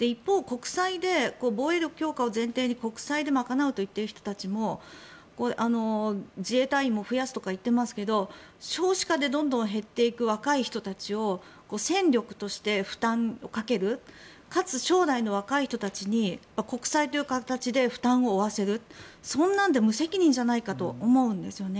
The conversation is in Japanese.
一方、国債で防衛力強化を前提に国債で賄うといっている人たちも自衛隊員も増やすとか言っていますが少子化でどんどん減っていく若い人たちを戦力として負担をかけるかつ、将来の若い人たちに国債という形で負担を負わせるそんなので無責任じゃないかと思うんですよね。